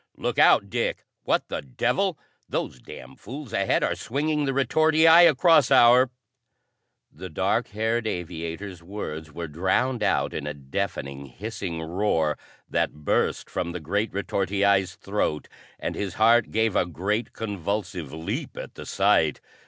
"Look out, Dick! What the devil? Those damn fools ahead are swinging the retortii across our "The dark haired aviator's words were drowned out in a deafening, hissing roar that burst from the great retortii's throat, and his heart gave a great convulsive leap at the sight.